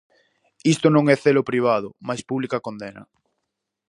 Isto non é Celo Privado mais Pública Condena.